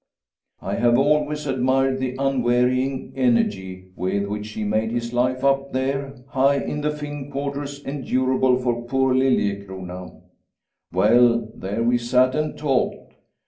I have always admired the unwearying energy with which she made his life up there hi the Finn quarters endurable for poor Liliecrona. Well, there we sat and talked.